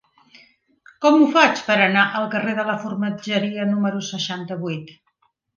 Com ho faig per anar al carrer de la Formatgeria número seixanta-vuit?